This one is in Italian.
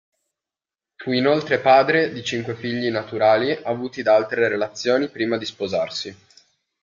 Fu inoltre padre di cinque figli naturali avuti da altre relazioni prima di sposarsi.